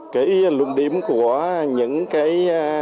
cái luận điểm của những cái